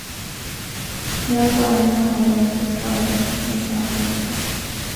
They are found in highland forests in South America.